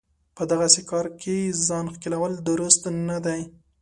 په دغسې کار کې ځان ښکېلول درست نه دی.